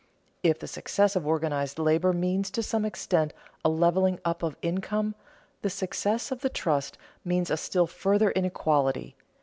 If the success of organized labor means to some extent a leveling up of income, the success of the trust means a still further inequality.